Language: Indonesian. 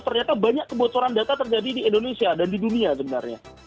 ternyata banyak kebocoran data terjadi di indonesia dan di dunia sebenarnya